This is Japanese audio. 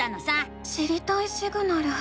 知りたいシグナル。